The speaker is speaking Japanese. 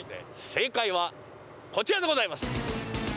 正解はこちらでございます。